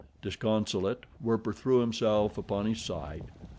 Disconsolate, Werper threw himself upon his side.